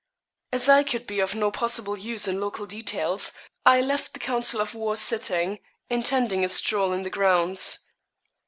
As I could be of no possible use in local details, I left the council of war sitting, intending a stroll in the grounds.